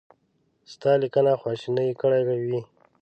ستا لیکنه خواشینی کړی وي.